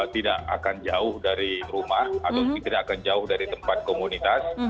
tidak akan jauh dari rumah atau tidak akan jauh dari tempat komunitas